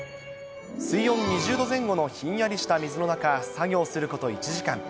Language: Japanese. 水温２０度前後のひんやりした水の中、作業すること１時間。